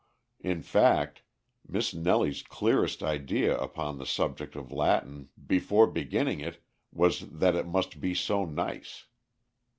In fact, Miss Nellie's clearest idea upon the subject of Latin before beginning it was that "it must be so nice!"